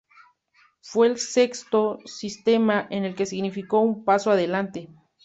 Fue el sexto sistema el que significó un paso adelante.